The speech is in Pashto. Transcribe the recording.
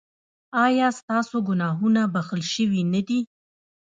ایا ستاسو ګناهونه بښل شوي نه دي؟